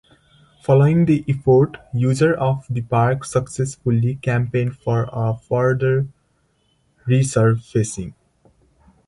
Following that effort, users of the park successfully campaigned for a further resurfacing.